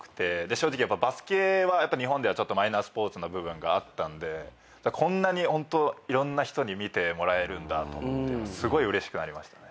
正直バスケは日本ではちょっとマイナースポーツの部分があったんでこんなにホントいろんな人に見てもらえるんだと思ってすごいうれしくなりましたね。